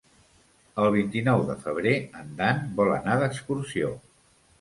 El vint-i-nou de febrer en Dan vol anar d'excursió.